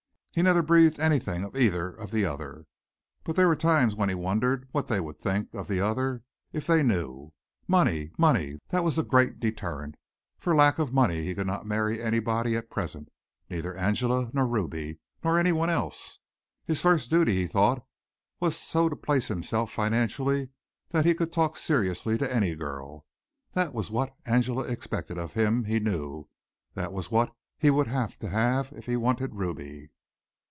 He never breathed anything to either of the other, but there were times when he wondered what they would think each of the other if they knew. Money, money, that was the great deterrent. For lack of money he could not marry anybody at present neither Angela nor Ruby nor anyone else. His first duty, he thought, was so to place himself financially that he could talk seriously to any girl. That was what Angela expected of him, he knew. That was what he would have to have if he wanted Ruby.